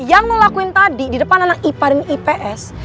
yang ngelakuin tadi di depan anak ipa dan ips